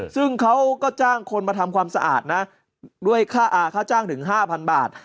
ซึ่งเขาก็จ้างคนมาทำความสะอาดนะด้วยค่าจ้างถึง๕๐๐บาท